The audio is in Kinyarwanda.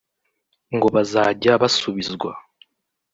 ngo bazajya basubizwa